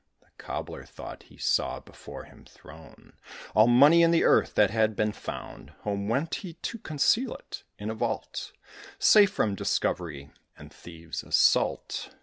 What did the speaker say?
The Cobbler thought he saw before him thrown All money in the earth that had been found. Home went he to conceal it in a vault, Safe from discovery and thieves' assault.